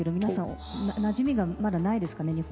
皆さんなじみがまだないですかね？